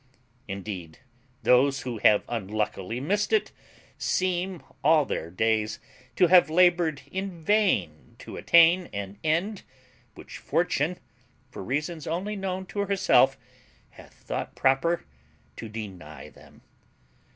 Indeed, those who have unluckily missed it seem all their days to have laboured in vain to attain an end which Fortune, for reasons only known to herself, hath thought proper to deny them.